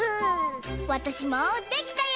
わたしもできたよ！